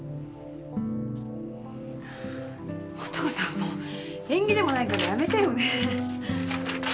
もう縁起でもないからやめてよね。